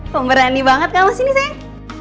pemberani banget kamu sini sayang